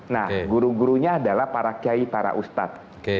nah guru gurunya adalah para kiai para ustadz